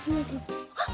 あっ！